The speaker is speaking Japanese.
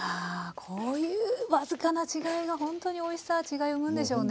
こういう僅かな違いがほんとにおいしさ違いを生むんでしょうね。